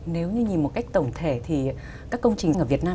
nếu như nhìn một cách tổng thể thì các công trình ở việt nam